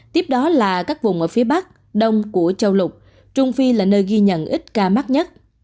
tiếp đó là các vùng ở phía bắc đông của châu lục trung phi là nơi ghi nhận ít ca mắc nhất